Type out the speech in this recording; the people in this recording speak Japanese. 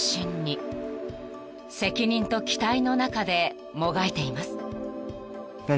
［責任と期待の中でもがいています］